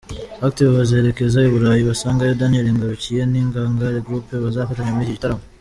Active bazerekeza i Burayi basangayo Daniel Ngarukiye na Ingangare group bazafatanya muri iki gitaramo.